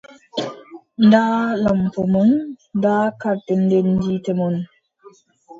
Ndaa lampo mon, daa kartedendite mon.